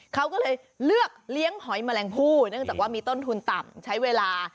เขาก็เลยเลือกเลี้ยงหอยแมลงผู้เนื่องจากว่ามีต้นทุนต่ำใช้เวลา